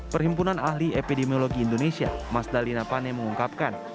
perhimpunan ahli epidemiologi indonesia mas dalina pane mengungkapkan